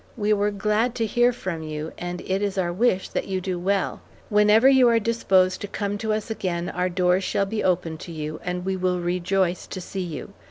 We were glad to hear from you, and it is our wish that you do well. Whenever you are disposed to come to us again our doors shall be open to you, and we will rejoice to see you.